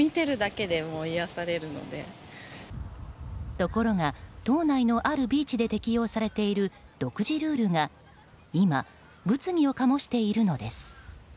ところが、島内のあるビーチで適用されている独自ルールが、今物議を醸しているのです。